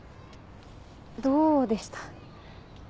どうでした？